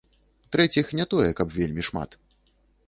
Трэціх не тое каб вельмі шмат.